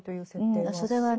それはね